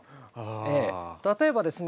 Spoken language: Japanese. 例えばですね